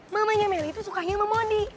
mamanya meli itu sukanya sama mondi